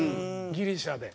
ギリシャで。